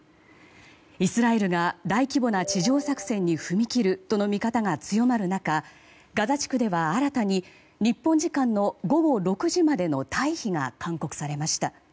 イスラエルが大規模な地上作戦に踏み切るとの見方が強まる中、ガザ地区では新たに日本時間の午後６時までの退避が勧告されました。